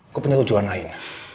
gue punya tujuan lain